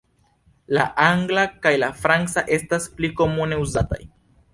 La angla kaj la franca estas pli komune uzataj.